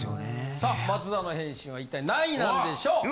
さあ松田の返信は一体何位なんでしょう？